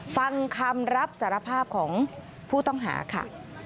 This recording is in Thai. ฟังคำรับสารภาพของผู้ต้องหาค่ะ